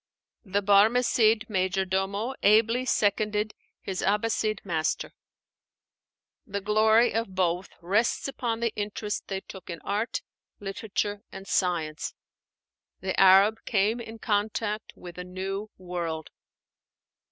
The Barmecide major domo ably seconded his Abbasside master; the glory of both rests upon the interest they took in art, literature, and science. The Arab came in contact with a new world.